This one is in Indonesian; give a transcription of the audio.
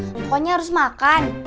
pokoknya harus makan